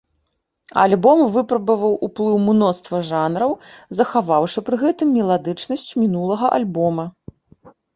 Альбом выпрабаваў ўплыў мноства жанраў, захаваўшы пры гэтым меладычнасць мінулага альбома.